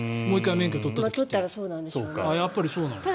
取ったらそうなんでしょうね。